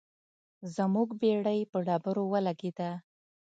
زموږ بیړۍ په ډبرو ولګیده.